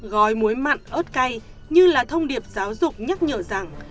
gói muối mặn ớt cay như là thông điệp giáo dục nhắc nhở rằng